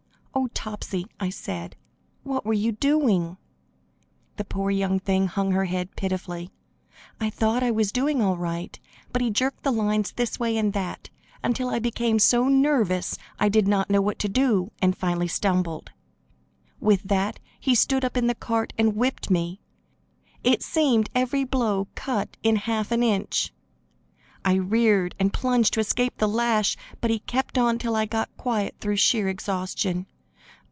"Oh, Topsy," I said, "what were you doing?" The poor young thing hung her head pitifully. "I thought I was doing all right, but he jerked the lines this way and that, until I became so nervous I did not know what to do, and finally stumbled. With that he stood right up in the cart and whipped me. It seemed every blow cut in half an inch. I reared and plunged to escape the lash, but he kept on till I got quiet through sheer exhaustion.